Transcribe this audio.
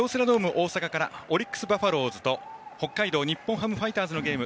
大阪からオリックス・バファローズと北海道日本ハムファイターズのゲーム